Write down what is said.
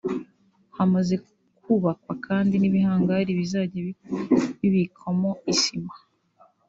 hamaze kubakwa kandi n’ibihangari bizajya bibikwamo isima